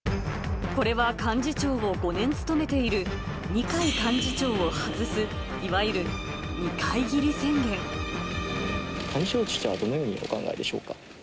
これは幹事長を５年務めている二階幹事長を外す、どのようにお考えでしょうか。